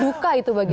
duka itu bagi saya